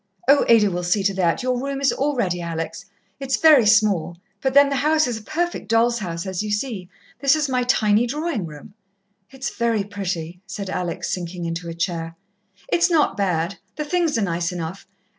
"Oh, Ada will see to that. Your room is all ready, Alex. It's very small, but then the house is a perfect doll's house, as you see. This is my tiny drawing room." "It's very pretty," said Alex, sinking into a chair. "It's not bad the things are nice enough.